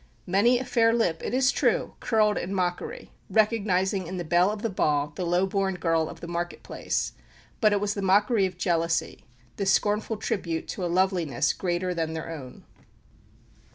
Many a fair lip, it is true, curled in mockery, recognising in the belle of the ball the low born girl of the market place; but it was the mockery of jealousy, the scornful tribute to a loveliness greater than their own.